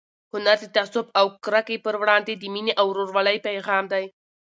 هنر د تعصب او کرکې پر وړاندې د مینې او ورورولۍ پيغام دی.